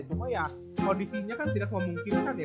cuma ya kondisinya kan tidak memungkinkan ya